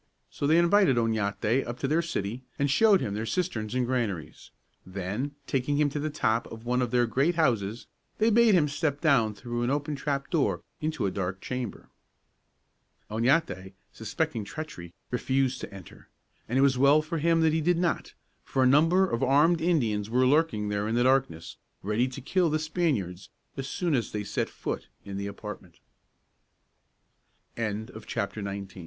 So they invited Oñate up into their city, and showed him their cisterns and granaries. Then, taking him to the top of one of their great houses, they bade him step down through an open trapdoor into a dark chamber. Oñate, suspecting treachery, refused to enter, and it was well for him that he did so, for a number of armed Indians were lurking there in the darkness, ready to kill the Spaniards as s